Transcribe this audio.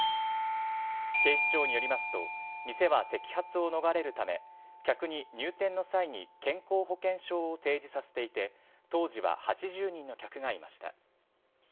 警視庁によりますと、店は摘発を逃れるため、客に入店の際に健康保険証を提示させていて、当時は８０人の客がいました。